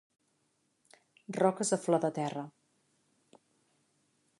Roques a flor de terra.